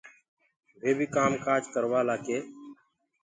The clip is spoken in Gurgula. وي بيٚ ڪآم ڪآج ڪروآݪآ ڪي